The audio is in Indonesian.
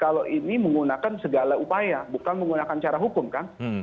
kalau ini menggunakan segala upaya bukan menggunakan cara hukum kan